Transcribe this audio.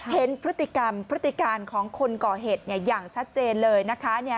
เห็นพฤติกรรมพฤติการของคนก่อเหตุอย่างชัดเจนเลยนะคะ